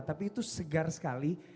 tapi itu segar sekali